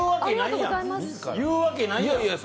言うわけないやん！